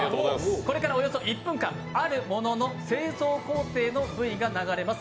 これからおよそ１分間、あるものの製造工程のＶが流れます。